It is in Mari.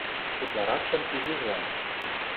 Утларакшым Изижлан.